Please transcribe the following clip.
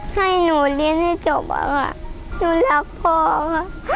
ให้หนูเรียนให้จบเพราะว่าหนูรักพ่อค่ะ